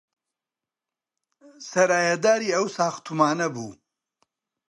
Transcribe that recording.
سەرایەداری ئەو ساختومانە بوو